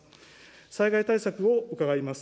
災害対策を伺います。